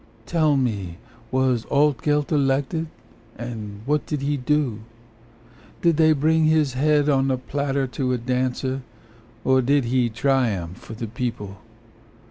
Tell me, was Altgeld elected, And what did he do? Did they bring his head on a platter to a dancer, Or did he triumph for the people?